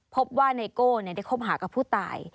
ไนโก้ได้คบหากับผู้ตาย